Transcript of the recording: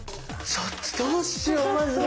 ちょっとどうしようマジで。